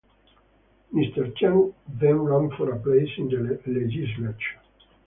Mr. Cheng then ran for a place in the legislature.